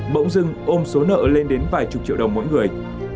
bỗng dưng ôm số nợ lên đến vài chục triệu đồng mỗi người